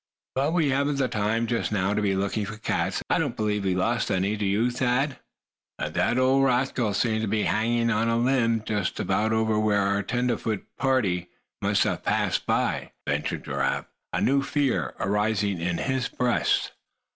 But we haven't the time just now to be looking for cats. I don't believe we've lost any, do you, Thad?" "But that old rascal seemed to be hanging on a limb just about over where our tenderfoot pard must have passed by," ventured Giraffe, a new fear arising in his breast.